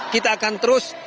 kita akan terus